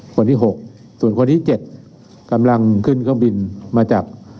คนที่๖ส่วนคนที่๗กำลังขึ้นเครื่องบินมาจาก